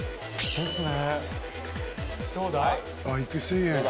ですね。